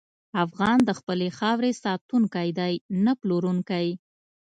افغان د خپلې خاورې ساتونکی دی، نه پلورونکی.